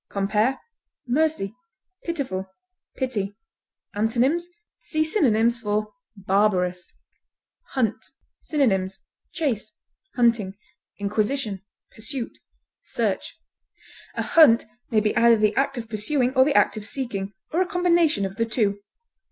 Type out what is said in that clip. Compare MERCY; PITIFUL; PITY. Antonyms: See synonyms for BARBAROUS. HUNT. Synonyms: chase, hunting, inquisition, pursuit, search. A hunt may be either the act of pursuing or the act of seeking, or a combination of the two.